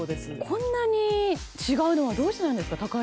こんなに違うのはどうしてなんですか。